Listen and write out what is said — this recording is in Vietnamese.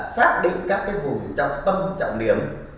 xác định các cái vùng trong tâm trọng điểm